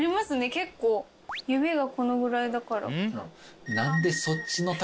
結構指がこのぐらいだから。